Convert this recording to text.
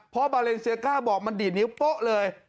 เพราะบาเลนเซียก้าบอกมันดีดนิ้วโป๊ะเลย